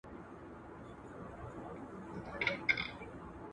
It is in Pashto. ته ملکه د تاج محل زه شهنشاه د جهان